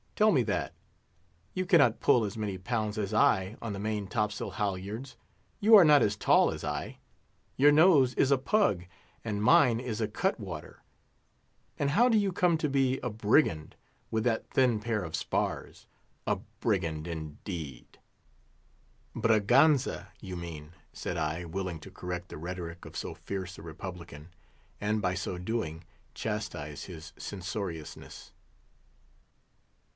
Tell me that. You cannot pull as many pounds as I on the main topsail halyards; you are not as tall as I: your nose is a pug, and mine is a cut water; and how do you come to be a 'brigand,' with that thin pair of spars? A brigand, indeed!" "Braganza, you mean," said I, willing to correct the rhetoric of so fierce a republican, and, by so doing, chastise his censoriousness.